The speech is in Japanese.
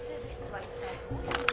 はい。